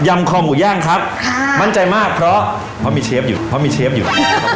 คอหมูย่างครับค่ะมั่นใจมากเพราะเพราะมีเชฟอยู่เพราะมีเชฟอยู่